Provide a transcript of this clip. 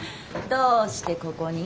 どうしてここに？